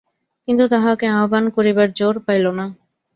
কিন্তু তাহাকে আহ্বান করিবার জোর পাইল না।